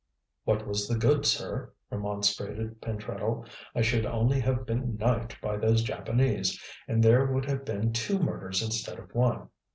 "What was the good, sir," remonstrated Pentreddle. "I should only have been knifed by those Japanese, and there would have been two murders instead of one.